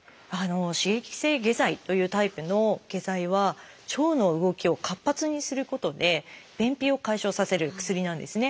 刺激性下剤というタイプの下剤は腸の動きを活発にすることで便秘を解消させる薬なんですね。